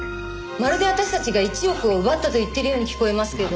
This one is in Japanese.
まるで私たちが１億を奪ったと言ってるように聞こえますけど。